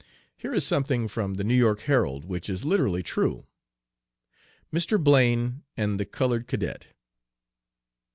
Here is something from the New York Herald which is literally true: "MR. BLAINE AND THE COLORED CADET.